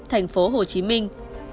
thành phố hồ chí minh